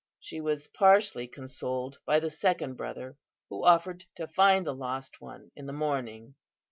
She was partially consoled by the second brother, who offered to find the lost one in the morning.